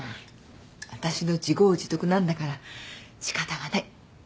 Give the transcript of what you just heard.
私の自業自得なんだから仕方がない。